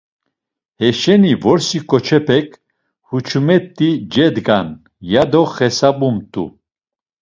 Heşeni vrosi ǩoçepek huçumet̆i cedgan, ya do xesabumt̆u.